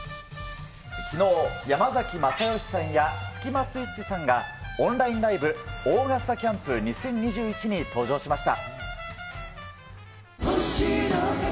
きのう、山崎まさよしさんやスキマスイッチさんがオンラインライブ、オーガスタキャンプ２０２１に登場しました。